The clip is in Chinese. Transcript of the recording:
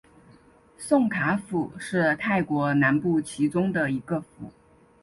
宋卡府是泰国南部其中的一个府。